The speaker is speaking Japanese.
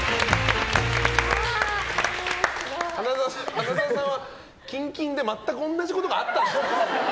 花澤さんは近々で全く同じことがあったんですか？